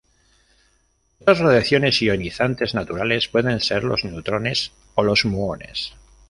Otras radiaciones ionizantes naturales pueden ser los neutrones o los muones.